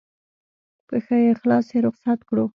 په ښه اخلاص یې رخصت کړو.